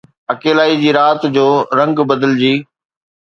اڪيلائيءَ جي رات جو رنگ بدلجي